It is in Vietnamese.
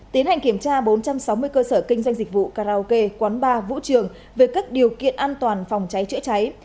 tiến hành kiểm tra bốn trăm sáu mươi cơ sở kinh doanh dịch vụ karaoke quán bar vũ trường về các điều kiện an toàn phòng cháy chữa cháy